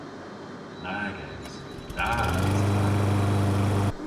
Nag es. Da es ta.